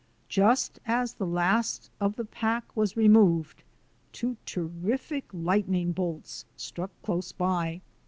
Just as the last of the pack was removed, two terrific lightning bolts struck close by.